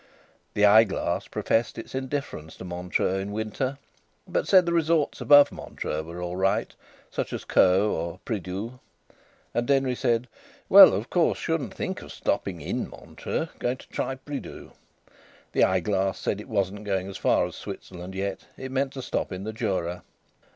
The eyeglass professed its indifference to Montreux in winter, but said the resorts above Montreux were all right, such as Caux or Pridoux. And Denry said: "Well, of course, shouldn't think of stopping in Montreux. Going to try Pridoux." The eyeglass said it wasn't going so far as Switzerland yet; it meant to stop in the Jura.